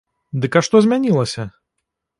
Дык а што змянілася?